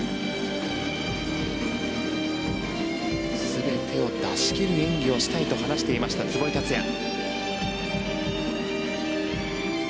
全てを出し切る演技をしたいと話していました壷井達也。